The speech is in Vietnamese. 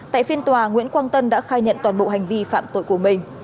tại phiên tòa nguyễn quang tân đã khai nhận toàn bộ hành vi phạm tội của mình